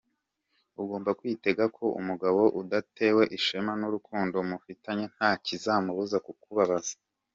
Ugomba kwitega ko umugabo udatewe ishema n’urukundo mufitanye nta kizamubuza kukubabaza.